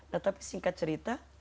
maka dia mencintai kita